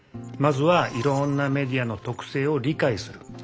まずはいろんなメディアの特性を理解する。